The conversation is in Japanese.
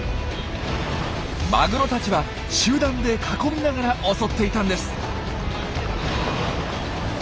マグロたちは集団で囲みながら襲っていたんです。